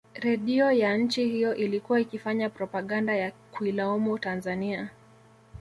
Redio ya nchi hiyo ilikuwa ikifanya propaganda ya kuilaumu Tanzania